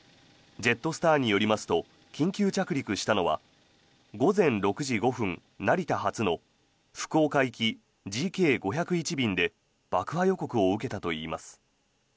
ジェットスターによりますと緊急着陸したのは午前６時５分成田発の福岡行きＧＫ５０１便で爆破予告を受けたといいます。